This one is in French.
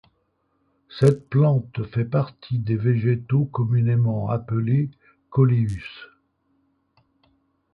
Cette plante fait partie des végétaux communément appelés coléus.